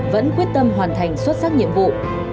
vẫn quyết tâm hoàn thành xuất sắc nhiệm vụ